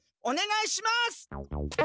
おねがいします！